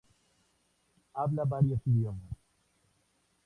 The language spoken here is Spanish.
Habla varios idiomas.